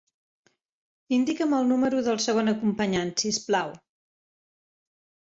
Indica'm el número del segon acompanyant, si us plau.